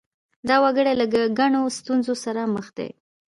دا وګړي له ګڼو ستونزو سره مخ دي.